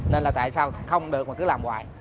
nên là tại sao không được mà cứ làm ngoài